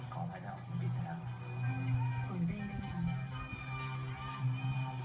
ขอบภัยได้ออกสังคิดนะครับ